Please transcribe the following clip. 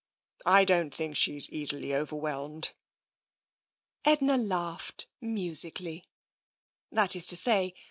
" I don't think she is easily overwhelmed." Edna laughed musically — that is to say.